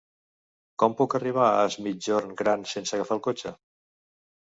Com puc arribar a Es Migjorn Gran sense agafar el cotxe?